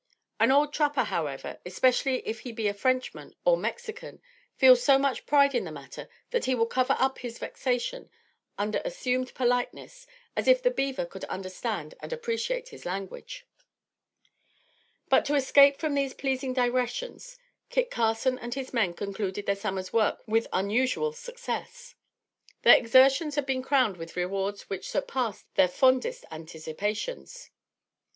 An old trapper, however, especially if he be a Frenchman or Mexican, feels so much pride in the matter, that he will cover up his vexation under assumed politeness, as if the beaver could understand and appreciate his language. [Footnote 6: Animalium patris testiculum.] But to escape from these pleasing digressions, Kit Carson and his men concluded their summer's work with unusual success. Their exertions had been crowned with rewards which surpassed their fondest anticipations.